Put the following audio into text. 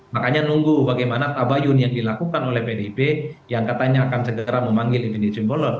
makanya nunggu bagaimana tabayun yang dilakukan oleh pdip yang katanya akan segera memanggil fnd simbolon